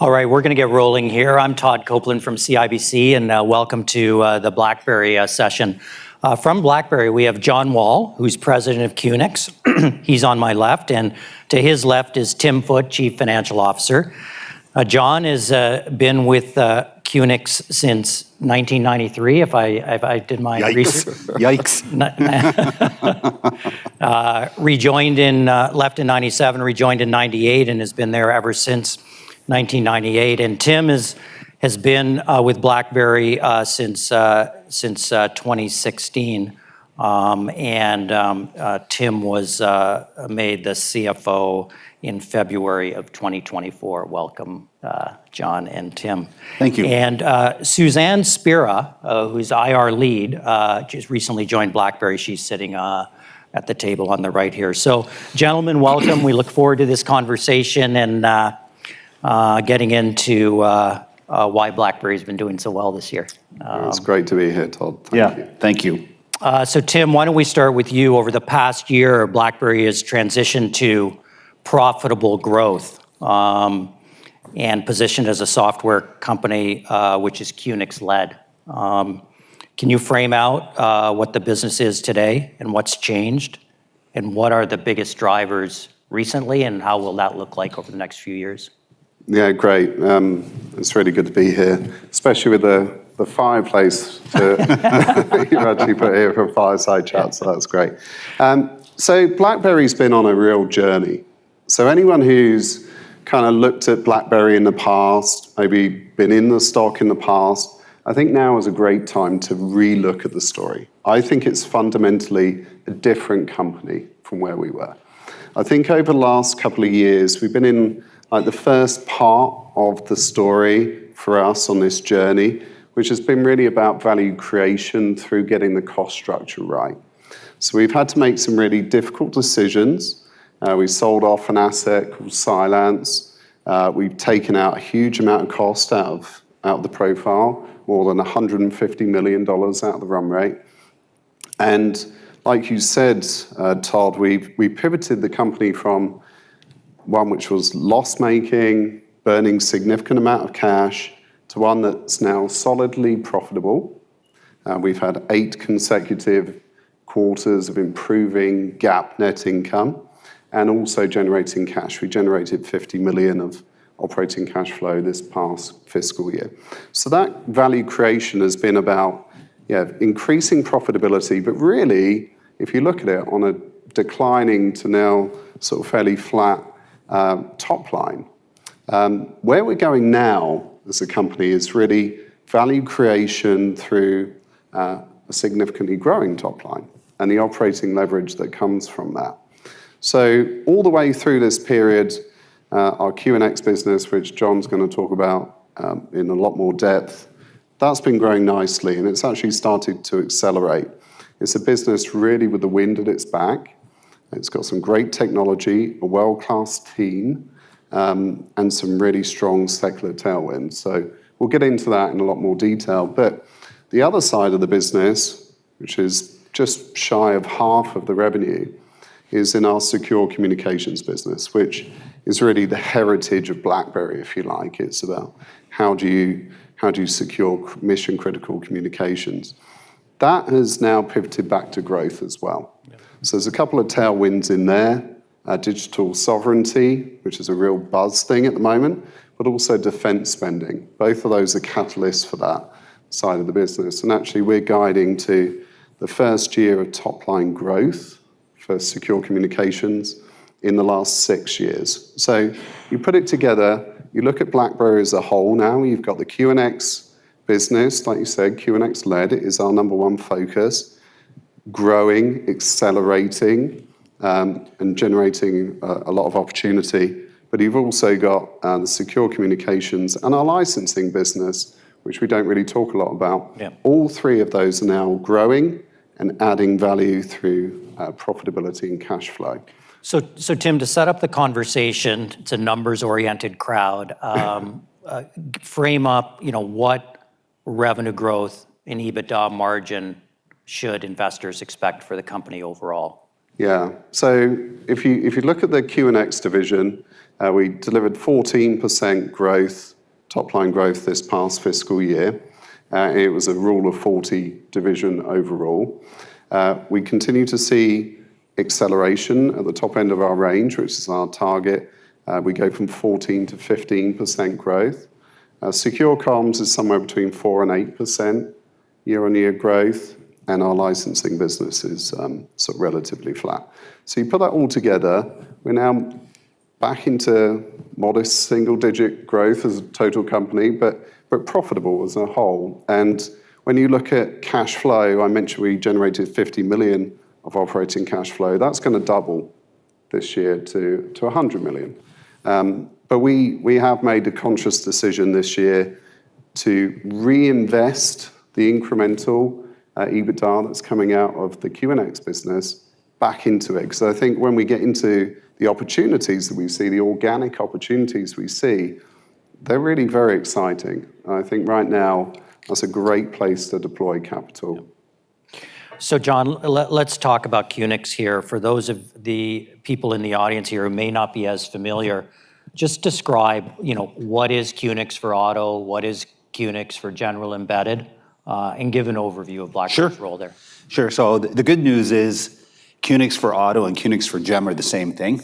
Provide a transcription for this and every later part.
All right, we're going to get rolling here. I'm Todd Coupland from CIBC. Welcome to the BlackBerry session. From BlackBerry, we have John Wall, who's President of QNX. He's on my left. To his left is Tim Foote, Chief Financial Officer. John has been with QNX since 1993, if I did my research. Yikes. Left in 1997, rejoined in 1998, and has been there ever since 1998. Tim has been with BlackBerry since 2016. Tim was made the CFO in February of 2024. Welcome, John and Tim. Thank you. Suzanne Spira, who's IR lead, just recently joined BlackBerry. She's sitting at the table on the right here. Gentlemen, welcome. We look forward to this conversation and getting into why BlackBerry's been doing so well this year. It's great to be here, Todd. Thank you. Yeah. Thank you. Tim, why don't we start with you? Over the past year, BlackBerry has transitioned to profitable growth, and positioned as a software company, which is QNX led. Can you frame out what the business is today and what's changed, and what are the biggest drivers recently, and how will that look like over the next few years? Yeah, great. It's really good to be here, especially with the fireplace that you put here for a fireside chat. That's great. BlackBerry's been on a real journey. Anyone who's looked at BlackBerry in the past, maybe been in the stock in the past, I think now is a great time to re-look at the story. I think it's fundamentally a different company from where we were. I think over the last couple of years, we've been in the first part of the story for us on this journey, which has been really about value creation through getting the cost structure right. We've had to make some really difficult decisions. We sold off an asset called Cylance. We've taken out a huge amount of cost out of the profile, more than $150 million out of the run-rate. Like you said, Todd, we've pivoted the company from one which was loss-making, burning significant amount of cash, to one that's now solidly profitable. We've had eight consecutive quarters of improving GAAP net income, and also generating cash. We generated $50 million of operating cash flow this past fiscal year. That value creation has been about increasing profitability, but really, if you look at it on a declining to now fairly flat top line. Where we're going now as a company is really value creation through a significantly growing top line and the operating leverage that comes from that. All the way through this period, our QNX business, which John's going to talk about in a lot more depth, that's been growing nicely, and it's actually started to accelerate. It's a business really with the wind at its back. It's got some great technology, a world-class team, and some really strong secular tailwinds. We'll get into that in a lot more detail. The other side of the business, which is just shy of half of the revenue, is in our secure communications business, which is really the heritage of BlackBerry, if you like. It's about how do you secure mission-critical communications. That has now pivoted back to growth as well. Yeah. There's a couple of tailwinds in there. Digital sovereignty, which is a real buzz thing at the moment, but also defense spending. Both of those are catalysts for that side of the business. Actually, we're guiding to the first year of top-line growth for Secure Communications in the last six years. You put it together, you look at BlackBerry as a whole now. You've got the QNX business, like you said, QNX led is our number one focus, growing, accelerating, and generating a lot of opportunity. You've also got the Secure Communications and our licensing business, which we don't really talk a lot about. Yeah. All three of those are now growing and adding value through profitability and cash flow. Tim, to set up the conversation, it's a numbers-oriented crowd. Frame up what revenue growth and EBITDA margin should investors expect for the company overall? If you look at the QNX division, we delivered 14% growth, top line growth, this past fiscal year. It was a Rule of 40 division overall. We continue to see acceleration at the top end of our range, which is our target. We go from 14%-15% growth. Secure Comms is somewhere between 4%-8% year-on-year growth, and our licensing business is relatively flat. You put that all together, we're now back into modest single-digit growth as a total company, but profitable as a whole. When you look at cash flow, I mentioned we generated $50 million of operating cash flow. That's going to double this year to $100 million. We have made a conscious decision this year to reinvest the incremental EBITDA that's coming out of the QNX business back into it. I think when we get into the opportunities that we see, the organic opportunities we see, they're really very exciting, and I think right now that's a great place to deploy capital. John, let's talk about QNX here for those of the people in the audience here who may not be as familiar. Just describe what is QNX for auto, what is QNX for general embedded, and give an overview of BlackBerry's. Sure role there. Sure. The good news is QNX for auto and QNX for GEM are the same thing,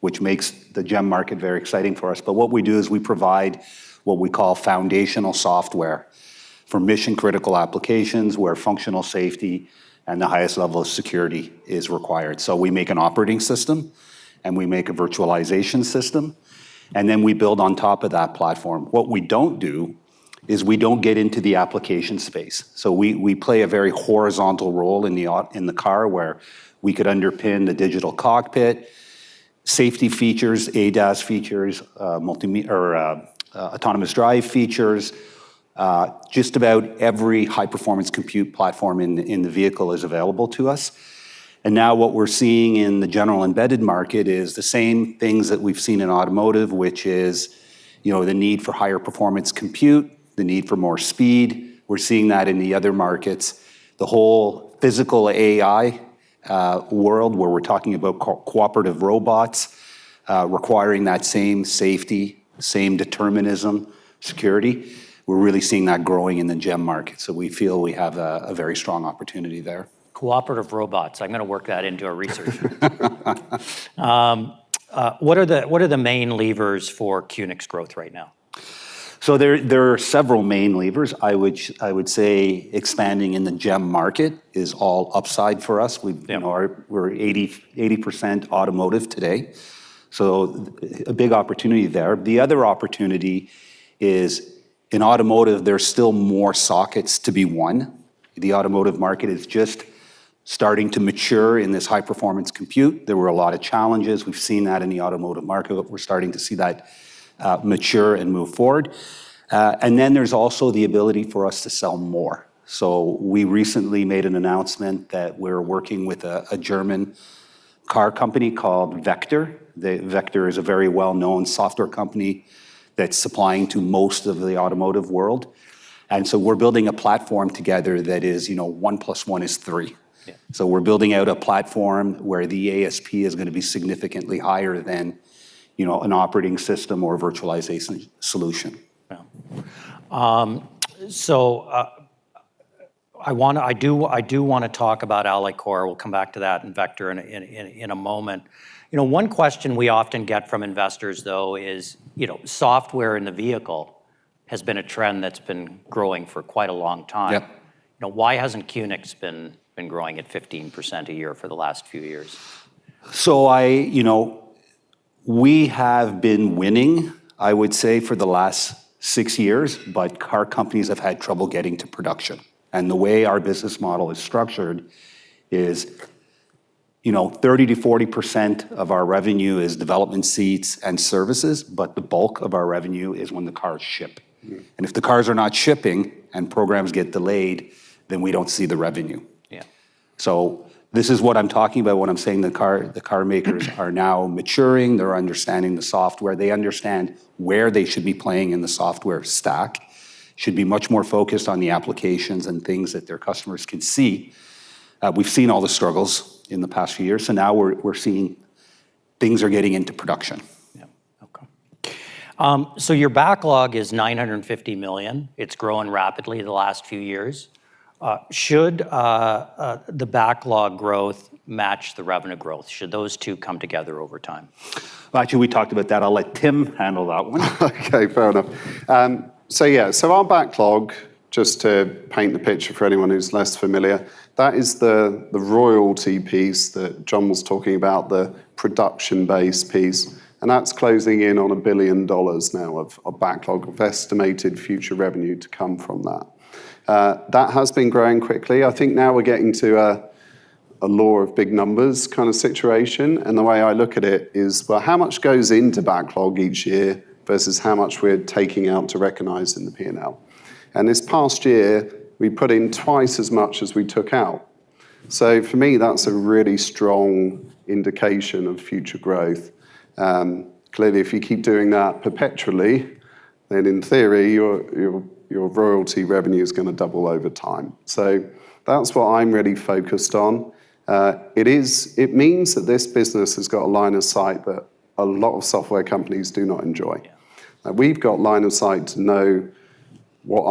which makes the GEM market very exciting for us. What we do is we provide what we call foundational software for mission-critical applications where functional safety and the highest level of security is required. We make an operating system and we make a virtualization system, and then we build on top of that platform. What we don't do is we don't get into the application space. We play a very horizontal role in the car where we could underpin the digital cockpit, safety features, ADAS features, autonomous drive features. Just about every high-performance compute platform in the vehicle is available to us. Now what we're seeing in the general embedded market is the same things that we've seen in automotive, which is the need for higher performance compute, the need for more speed. We're seeing that in the other markets. The whole physical AI world where we're talking about cooperative robots requiring that same safety, same determinism, security. We're really seeing that growing in the GEM market, so we feel we have a very strong opportunity there. Cooperative robots. I'm going to work that into our research. What are the main levers for QNX growth right now? There are several main levers. I would say expanding in the GEM market is all upside for us. Yeah. We're 80% automotive today, so a big opportunity there. The other opportunity is in automotive, there's still more sockets to be won. The automotive market is just starting to mature in this high-performance compute. There were a lot of challenges. We've seen that in the automotive market, but we're starting to see that mature and move forward. There's also the ability for us to sell more. We recently made an announcement that we're working with a German car company called Vector. Vector is a very well-known software company that's supplying to most of the automotive world. We're building a platform together that is one plus one is three. Yeah. We're building out a platform where the ASP is going to be significantly higher than an operating system or virtualization solution. Yeah. I do want to talk about Alloy Kore. We'll come back to that and Vector in a moment. One question we often get from investors though is software in the vehicle has been a trend that's been growing for quite a long time. Yeah. Why hasn't QNX been growing at 15% a year for the last few years? We have been winning, I would say, for the last six years, but car companies have had trouble getting to production. The way our business model is structured is 30%-40% of our revenue is development seats and services, but the bulk of our revenue is when the cars ship. If the cars are not shipping and programs get delayed, then we don't see the revenue. Yeah. This is what I'm talking about when I'm saying the car makers are now maturing. They're understanding the software. They understand where they should be playing in the software stack, should be much more focused on the applications and things that their customers can see. We've seen all the struggles in the past few years. Now we're seeing things are getting into production. Your backlog is $950 million. It's grown rapidly the last few years. Should the backlog growth match the revenue growth? Should those two come together over time? Actually, we talked about that. I'll let Tim handle that one. Okay, fair enough. Yeah. Our backlog, just to paint the picture for anyone who's less familiar, that is the royalty piece that John was talking about, the production-based piece, and that's closing in on a billion dollars now worth of backlog of estimated future revenue to come from that. That has been growing quickly. I think now we're getting to a law of big numbers kind of situation, the way I look at it is, well, how much goes into backlog each year versus how much we're taking out to recognize in the P&L? This past year, we put in twice as much as we took out. For me, that's a really strong indication of future growth. Clearly, if you keep doing that perpetually, then in theory, your royalty revenue's going to double over time. That's what I'm really focused on. It means that this business has got a line of sight that a lot of software companies do not enjoy. Yeah. We've got line of sight to know what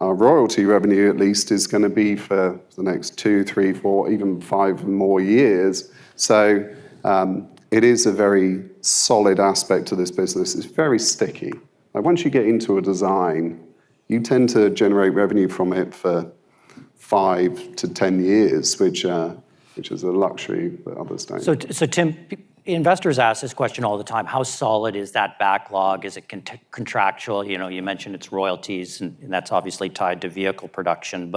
our royalty revenue at least is going to be for the next two, three, four even five more years. It is a very solid aspect to this business. It's very sticky. Once you get into a design, you tend to generate revenue from it for 5 to 10 years, which is a luxury that others don't. Tim, investors ask this question all the time. How solid is that backlog? Is it contractual? You mentioned it's royalties and that's obviously tied to vehicle production.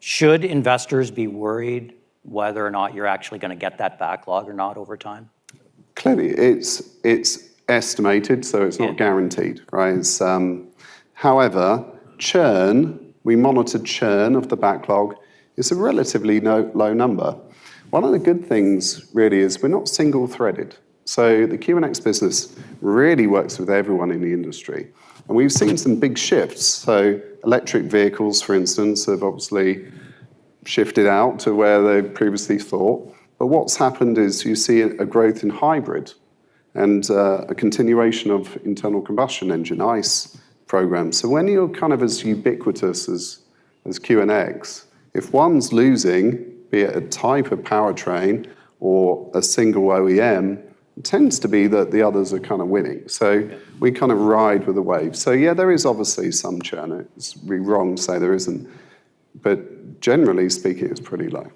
Should investors be worried whether or not you're actually going to get that backlog or not over time? Clearly, it's estimated, so it's not guaranteed, right? Yeah. Churn, we monitor churn of the backlog. It's a relatively low number. One of the good things really is we're not single-threaded. The QNX business really works with everyone in the industry, and we've seen some big shifts. Electric vehicles, for instance, have obviously shifted out to where they previously thought. What's happened is you see a growth in hybrid and a continuation of internal combustion engine, ICE, programs. When you're kind of as ubiquitous as QNX, if one's losing, be it a type of powertrain or a single OEM, it tends to be that the others are kind of winning. We kind of ride with the wave. Yeah, there is obviously some churn. It's wrong to say there isn't, but generally speaking, it's pretty low.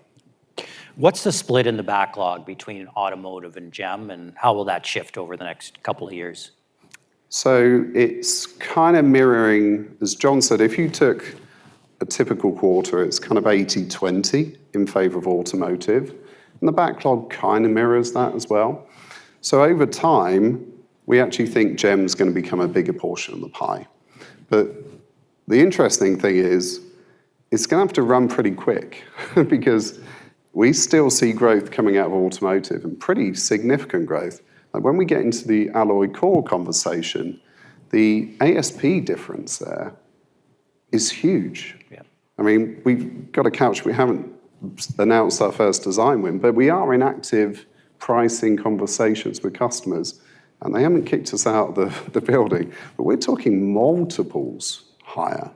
What's the split in the backlog between automotive and GEM, and how will that shift over the next couple of years? It's kind of mirroring, as John said, if you took a typical quarter, it's kind of 80/20 in favor of automotive, and the backlog kind of mirrors that as well. Over time, we actually think GEM's going to become a bigger portion of the pie. The interesting thing is it's going to have to run pretty quick because we still see growth coming out of automotive, and pretty significant growth. Like when we get into the Alloy Kore conversation, the ASP difference there is huge. Yeah. I mean, we've got a couch. We haven't announced our first design win, but we are in active pricing conversations with customers, and they haven't kicked us out of the building, but we're talking multiples higher.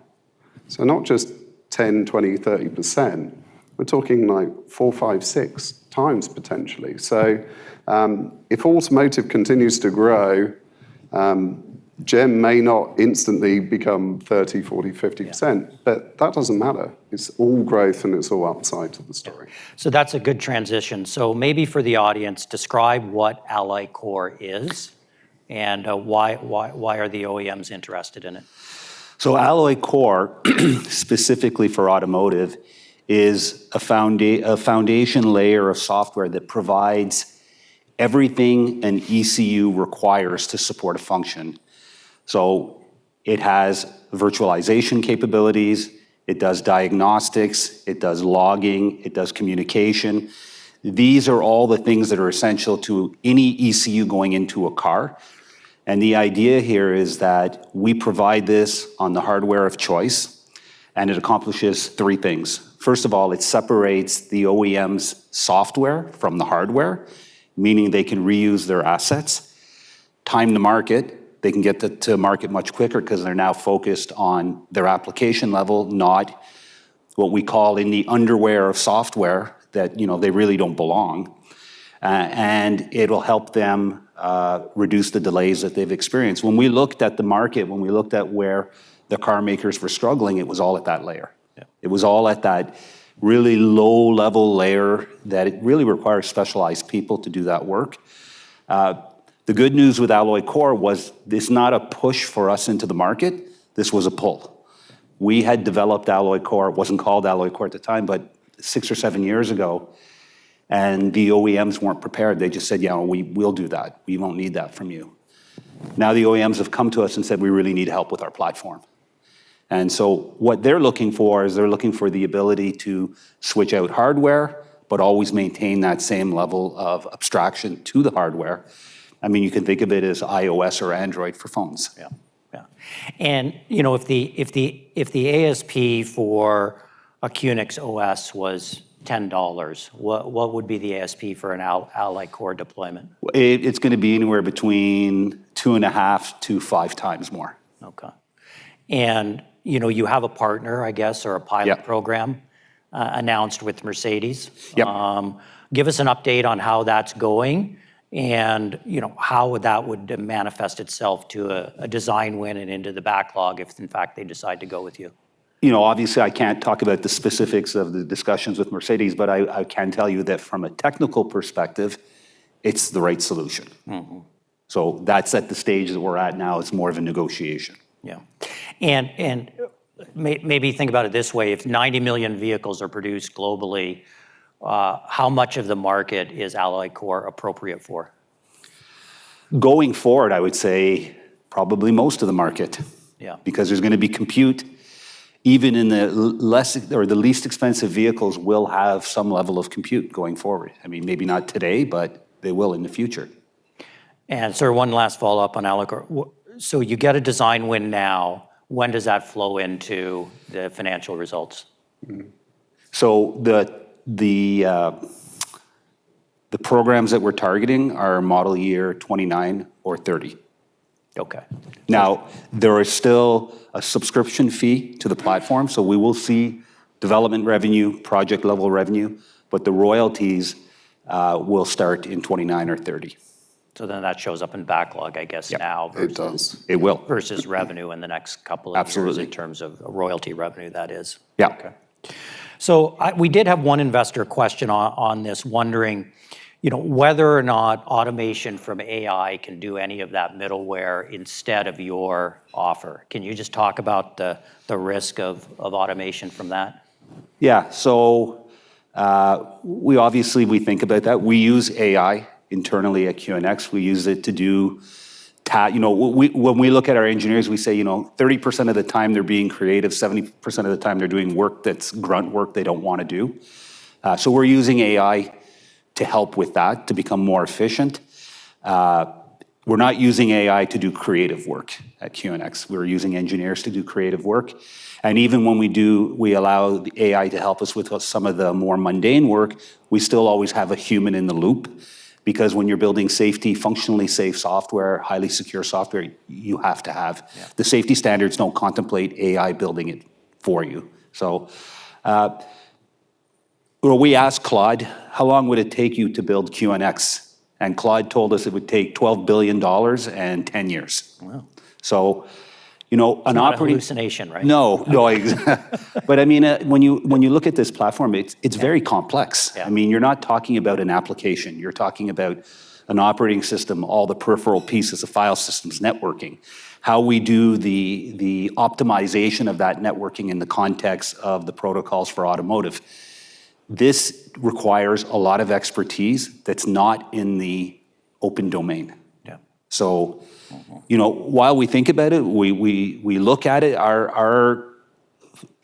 Not just 10%, 20%, 30%, we're talking like 4x, 5x, 6x potentially. If automotive continues to grow, GEM may not instantly become 30%, 40%, 50%. Yeah That doesn't matter. It's all growth and it's all upside to the story. That's a good transition. Maybe for the audience, describe what Alloy Kore is and why are the OEMs interested in it? Alloy Kore specifically for automotive is a foundation layer of software that provides everything an ECU requires to support a function. It has virtualization capabilities, it does diagnostics, it does logging, it does communication. These are all the things that are essential to any ECU going into a car. The idea here is that we provide this on the hardware of choice, and it accomplishes three things. First of all, it separates the OEM's software from the hardware, meaning they can reuse their assets. Time to market, they can get to market much quicker because they're now focused on their application level, not what we call in the underwear of software that they really don't belong. It'll help them reduce the delays that they've experienced. When we looked at the market, when we looked at where the car makers were struggling, it was all at that layer. Yeah. It was all at that really low-level layer that it really requires specialized people to do that work. The good news with Alloy Kore was this is not a push for us into the market. This was a pull. We had developed Alloy Kore, it wasn't called Alloy Kore at the time, but six or seven years ago. The OEMs weren't prepared. They just said, Yeah, we'll do that. We won't need that from you. Now, the OEMs have come to us and said, We really need help with our platform. What they're looking for is they're looking for the ability to switch out hardware but always maintain that same level of abstraction to the hardware. I mean, you can think of it as iOS or Android for phones. Yeah. If the ASP for a QNX OS was $10, what would be the ASP for an Alloy Kore deployment? It's going to be anywhere between 2.5x to 5x more. Okay. You have a partner, I guess, or a pilot? Yeah program announced with Mercedes. Yep. Give us an update on how that's going and how would that would manifest itself to a design win and into the backlog if, in fact, they decide to go with you. Obviously, I can't talk about the specifics of the discussions with Mercedes, but I can tell you that from a technical perspective, it's the right solution. That's at the stage that we're at now. It's more of a negotiation. Yeah. Maybe think about it this way. If 90 million vehicles are produced globally, how much of the market is Alloy Kore appropriate for? Going forward, I would say probably most of the market. Yeah. There's going to be compute even in the least expensive vehicles will have some level of compute going forward. I mean, maybe not today, but they will in the future. Sir, one last follow-up on Alloy Kore. You get a design win now, when does that flow into the financial results? The programs that we're targeting are model year 2029 or 2030. Okay. There is still a subscription fee to the platform, so we will see development revenue, project-level revenue, but the royalties will start in 2029 or 2030. That shows up in backlog, I guess, now. Yeah, it does. It will. versus revenue in the next couple of years. Absolutely in terms of royalty revenue, that is. Yeah. We did have one investor question on this, wondering whether or not automation from AI can do any of that middleware instead of your offer. Can you just talk about the risk of automation from that? Yeah. Obviously we think about that. We use AI internally at QNX. We use it to do when we look at our engineers, we say 30% of the time they're being creative, 70% of the time they're doing work that's grunt work they don't want to do. We're using AI to help with that, to become more efficient. We're not using AI to do creative work at QNX. We're using engineers to do creative work. Even when we do, we allow the AI to help us with some of the more mundane work, we still always have a human in the loop, because when you're building safety, functionally safe software, highly secure software, you have to have a human in the loop. Yeah. The safety standards don't contemplate AI building it for you. We asked Claude, How long would it take you to build QNX? Claude told us it would take $12 billion and 10 years. Wow. So, an operating- It's not a hallucination, right? No. When you look at this platform, it's very complex. Yeah. You're not talking about an application, you're talking about an operating system, all the peripheral pieces, the file systems, networking, how we do the optimization of that networking in the context of the protocols for automotive. This requires a lot of expertise that's not in the open domain. Yeah. While we think about it, we look at it, our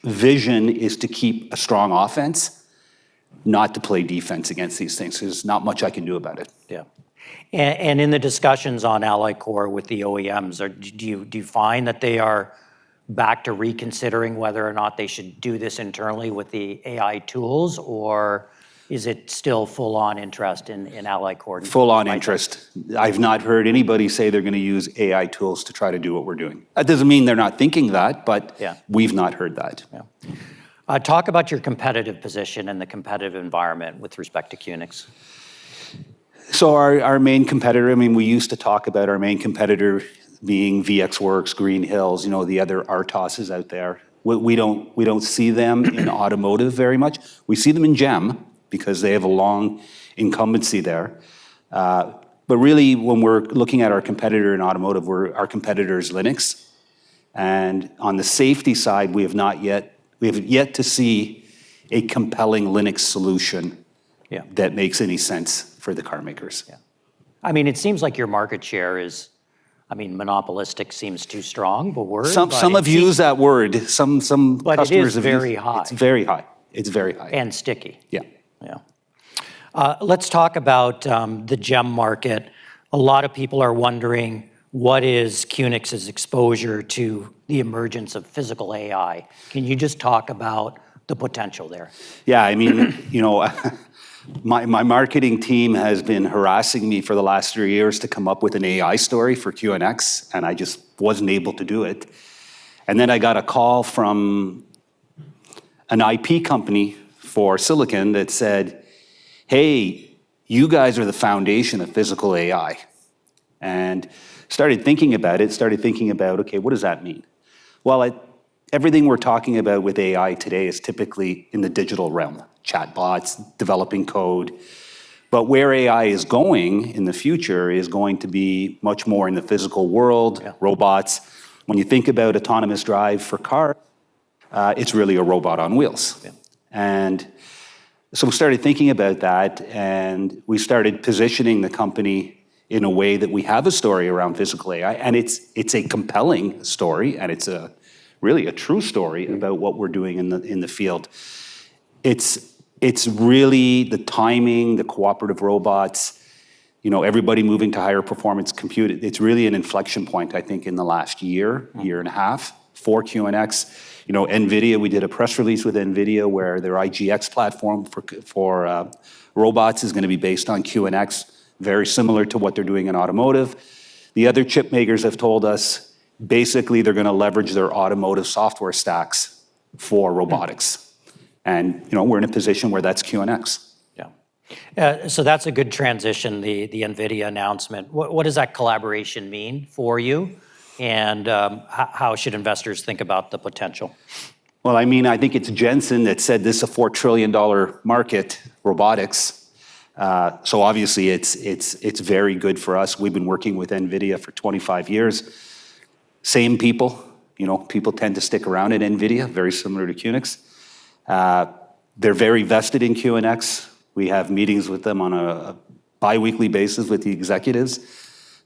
vision is to keep a strong offense, not to play defense against these things, because there's not much I can do about it. Yeah. In the discussions on Alloy Kore with the OEMs, do you find that they are back to reconsidering whether or not they should do this internally with the AI tools, or is it still full on interest in Alloy Kore? Full on interest. I've not heard anybody say they're going to use AI tools to try to do what we're doing. That doesn't mean they're not thinking that. Yeah we've not heard that. Yeah. Talk about your competitive position and the competitive environment with respect to QNX. Our main competitor, we used to talk about our main competitor being VxWorks, Green Hills, the other RTOSs out there. We don't see them in automotive very much. We see them in GEM, because they have a long incumbency there. Really when we're looking at our competitor in automotive, our competitor is Linux, and on the safety side, we have yet to see a compelling Linux solution. Yeah that makes any sense for the car makers. Yeah. It seems like your market share is, monopolistic seems too strong a word, but. Some have used that word. It is very high. It's very high. Sticky. Yeah. Let's talk about the GEM market. A lot of people are wondering what is QNX's exposure to the emergence of physical AI. Can you just talk about the potential there? Yeah. My marketing team has been harassing me for the last three years to come up with an AI story for QNX, and I just wasn't able to do it. I got a call from an IP company for silicon that said, Hey, you guys are the foundation of physical AI. Started thinking about it, okay, what does that mean? Well, everything we're talking about with AI today is typically in the digital realm, chatbots, developing code. Where AI is going in the future is going to be much more in the physical world. Yeah. Robots. When you think about autonomous drive for cars, it's really a robot on wheels. Yeah. We started thinking about that, and we started positioning the company in a way that we have a story around physical AI, and it's a compelling story, and it's really a true story about what we're doing in the field. It's really the timing, the cooperative robots, everybody moving to higher performance compute. It's really an inflection point, I think, in the last year and a half, for QNX. NVIDIA, we did a press release with NVIDIA where their IGX platform for robots is going to be based on QNX, very similar to what they're doing in automotive. The other chip makers have told us basically they're going to leverage their automotive software stacks for robotics. We're in a position where that's QNX. Yeah. That's a good transition, the NVIDIA announcement. What does that collaboration mean for you? How should investors think about the potential? I think it's Jensen that said this is a $4 trillion market, robotics. Obviously it's very good for us. We've been working with NVIDIA for 25 years. Same people. People tend to stick around at NVIDIA, very similar to QNX. They're very vested in QNX. We have meetings with them on a biweekly basis with the executives.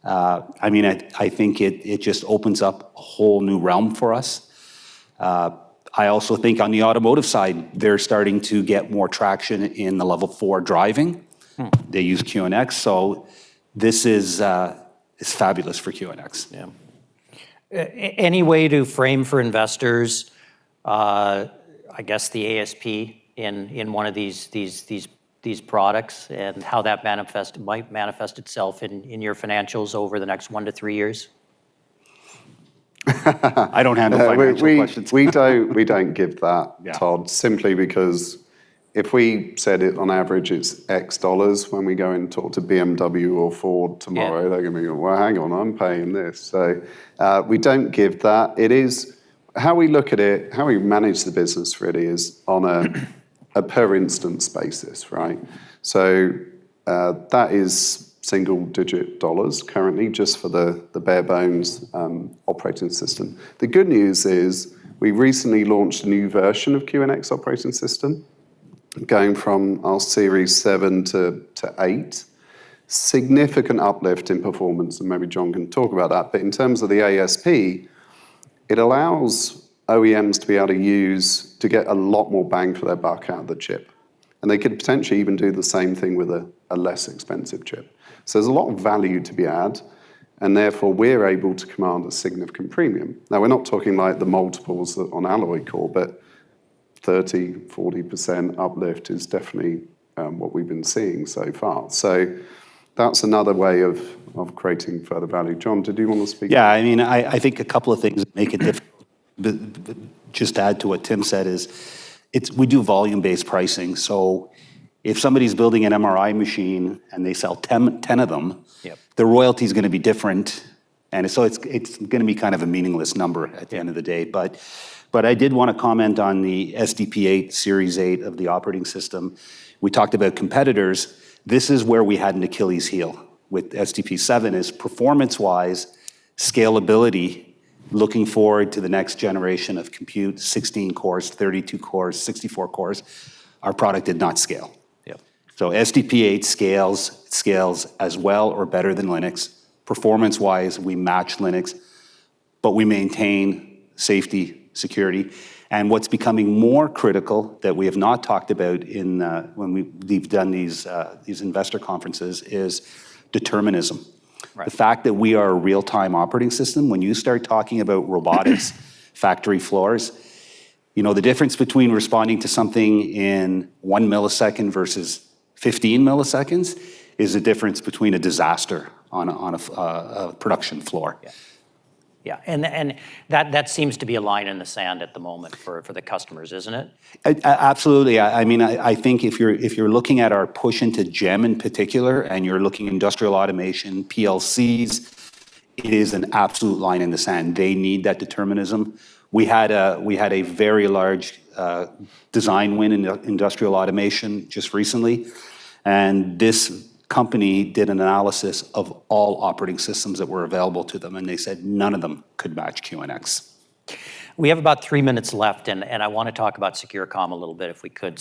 I think it just opens up a whole new realm for us. I also think on the automotive side, they're starting to get more traction in the Level 4 driving. They use QNX. This is fabulous for QNX. Yeah. Any way to frame for investors, I guess the ASP in one of these products and how that might manifest itself in your financials over the next one to three years? I don't handle financial questions. We don't give that. Yeah Todd, simply because if we said it on average it's X dollars, when we go and talk to BMW or Ford tomorrow Yeah they're going to go, Well, hang on, I'm paying this. We don't give that. How we look at it, how we manage the business really is on a per instance basis, right? That is single digit dollars currently just for the bare bones operating system. The good news is we recently launched a new version of QNX operating system. Going from our Series 7x to 8.0. Significant uplift in performance, maybe John can talk about that. In terms of the ASP, it allows OEMs to be able to get a lot more bang for their buck out of the chip. They could potentially even do the same thing with a less expensive chip. There's a lot of value to be had, and therefore, we're able to command a significant premium. Now, we're not talking the multiples on Alloy Kore, but 30%-40% uplift is definitely what we've been seeing so far. That's another way of creating further value. John, did you want to speak? I think a couple of things make it difficult. Just add to what Tim said is, we do volume-based pricing. If somebody's building an MRI machine and they sell 10 of them. Yep The royalty's going to be different, it's going to be a meaningless number at the end of the day. I did want to comment on the SDP 8 Series 8.0 Of the operating system. We talked about competitors. This is where we had an Achilles heel with SDP 7x is performance-wise, scalability, looking forward to the next generation of compute, 16 cores, 32 cores, 64 cores. Our product did not scale. Yep. SDP8.0 Scales as well or better than Linux. Performance-wise, we match Linux, but we maintain safety, security. What's becoming more critical that we have not talked about when we've done these investor conferences is determinism. Right. The fact that we are a real-time operating system, when you start talking about robotics, factory floors, the difference between responding to something in 1 ms versus 15 ms is the difference between a disaster on a production floor. Yeah. That seems to be a line in the sand at the moment for the customers, isn't it? Absolutely. I think if you're looking at our push into GEM in particular, you're looking industrial automation, PLCs, it is an absolute line in the sand. They need that determinism. We had a very large design win in industrial automation just recently, this company did an analysis of all operating systems that were available to them, they said none of them could match QNX. We have about three minutes left, and I want to talk about Secure Comm a little bit, if we could.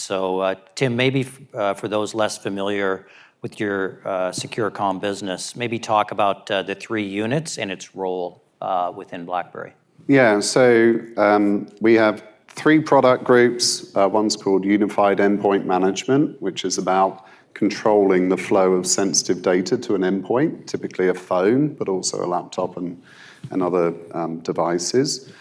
Tim, maybe for those less familiar with your Secure Comm business, maybe talk about the three units and its role within BlackBerry. Yeah. We have three product groups. One's called Unified Endpoint Management, which is about controlling the flow of sensitive data to an endpoint, typically a phone, but also a laptop and other devices.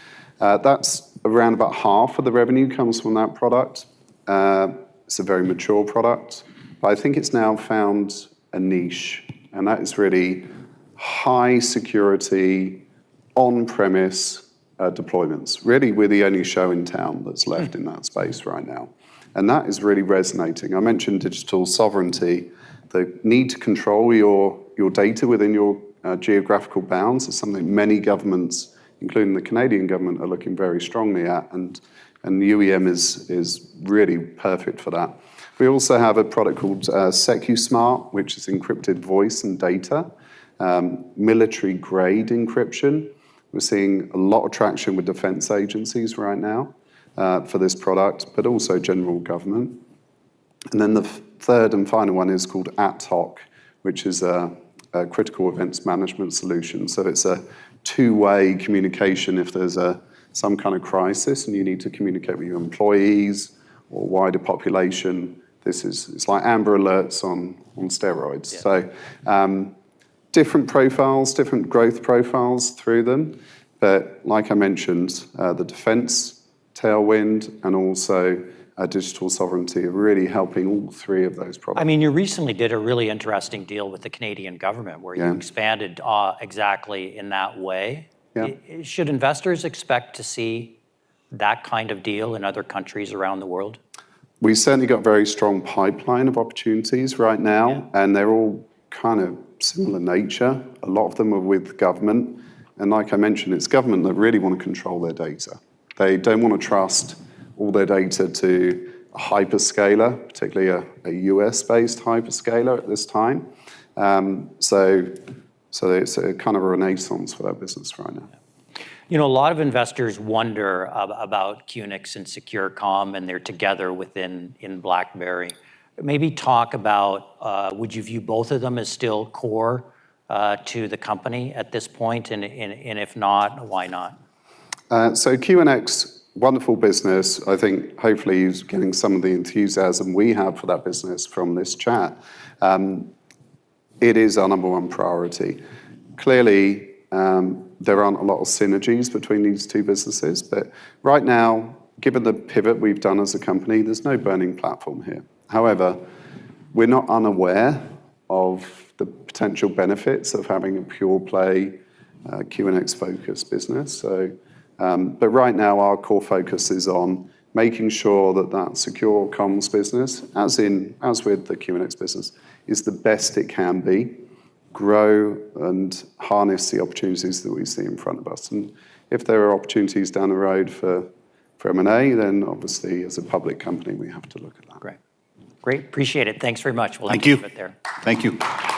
That's around about half of the revenue comes from that product. It's a very mature product, but I think it's now found a niche, and that is really high security, on-premise deployments. Really, we're the only show in town that's left in that space right now. That is really resonating. I mentioned digital sovereignty. The need to control your data within your geographical bounds is something many governments, including the Canadian government, are looking very strongly at, UEM is really perfect for that. We also have a product called Secusmart, which is encrypted voice and data, military-grade encryption. We're seeing a lot of traction with defense agencies right now for this product, but also general government. The third and final one is called AtHoc, which is a critical events management solution. It's a two-way communication if there's some kind of crisis and you need to communicate with your employees or wider population. It's like AMBER alerts on steroids. Yeah. Different profiles, different growth profiles through them. Like I mentioned, the defense tailwind and also digital sovereignty are really helping all three of those products. You recently did a really interesting deal with the Canadian government. Yeah where you expanded exactly in that way. Yeah. Should investors expect to see that kind of deal in other countries around the world? We certainly got a very strong pipeline of opportunities right now. Yeah. They're all kind of similar nature. A lot of them are with government. Like I mentioned, it's government that really want to control their data. They don't want to trust all their data to a hyperscaler, particularly a U.S.-based hyperscaler at this time. It's a kind of a renaissance for that business right now. A lot of investors wonder about QNX and Secure Comm, and they're together within BlackBerry. Maybe talk about, would you view both of them as still core to the company at this point? If not, why not? QNX, wonderful business. I think hopefully he's getting some of the enthusiasm we have for that business from this chat. It is our number one priority. Clearly, there aren't a lot of synergies between these two businesses. Right now, given the pivot we've done as a company, there's no burning platform here. However, we're not unaware of the potential benefits of having a pure play QNX-focused business. Right now, our core focus is on making sure that that Secure Comms business, as with the QNX business, is the best it can be, grow, and harness the opportunities that we see in front of us. If there are opportunities down the road for M&A, then obviously as a public company, we have to look at that. Great. Appreciate it. Thanks very much. Thank you. We'll end it there. Thank you.